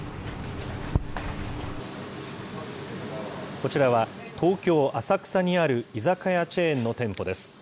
こちらは、東京・浅草にある居酒屋チェーンの店舗です。